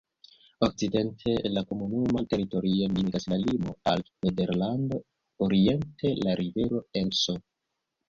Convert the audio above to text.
Okcidente la komunuman teritorion limigas la limo al Nederlando, oriente la rivero Emso.